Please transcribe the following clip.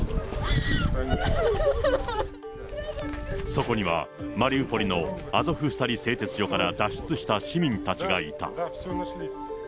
そこにはマリウポリのアゾフスタリ製鉄所から脱出した市民たちがいた。